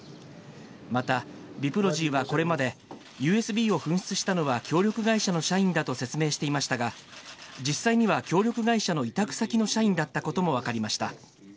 またビプロジーはこれまで、ＵＳＢを紛失したのは協力会社の社員だと説明していましたが、実際には協力会社の委託先の社員だったことも分かりました。